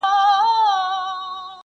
B ګروپ په عمر کې تکړه پاتې کېږي.